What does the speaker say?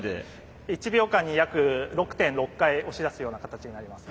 １秒間に約６．６回押し出すような形になります。